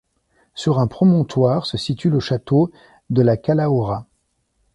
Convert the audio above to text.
Sur un promontoire se situe le château de La Calahorra.